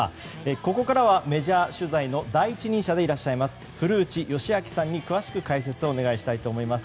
ここからはメジャー取材の第一人者でいらっしゃいます古内義明さんに詳しく解説をお願いしたいと思います。